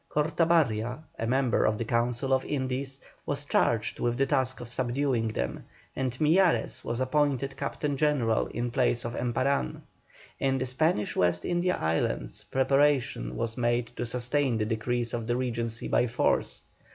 Cortabarria, a member of the Council of the Indies, was charged with the task of subduing them, and Miyares was appointed captain general in place of Emparán. In the Spanish West India Islands preparation was made to sustain the decrees of the Regency by force.